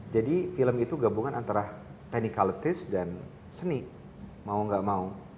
jadi film itu gabungan antara technicalities dan seni mau gak mau